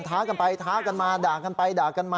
ท้ากันไปท้ากันมาด่ากันไปด่ากันมา